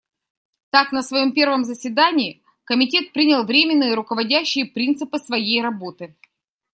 Так, на своем первом заседании Комитет принял временные руководящие принципы своей работы.